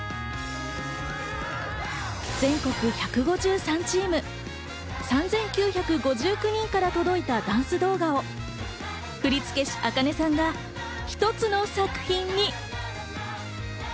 全国１５３チーム、３９５９人から届いたダンス動画を振付師ａｋａｎｅさんが一つの作品に。